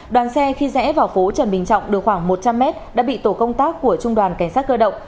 đoàn xe khi rẽ vào phố trần bình trọng được khoảng một trăm linh mét đã bị tổ công tác của trung đoàn cảnh sát cơ động